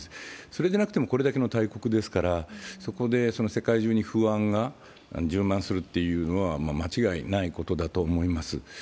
それでなくても、これだけの大国ですから、そこで世界中に不安が充満するということは間違いないことだと思います。